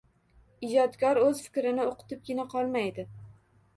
Ijodkor o‘z fikrini o‘qitibgina qolmaydi.